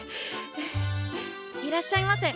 いらっしゃいませ。